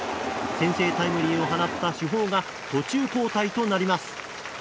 先制タイムリーを放った主砲が途中交代となります。